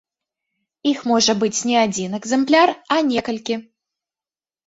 Іх можа быць не адзін экзэмпляр, а некалькі.